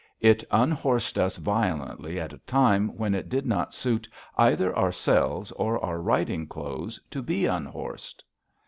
It unhorsed us violently at a time when it did not suit either ourselves or our riding clothes to be unhorsed.